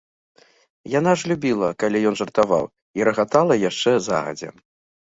Яна ж любіла, калі ён жартаваў, і рагатала яшчэ загадзя.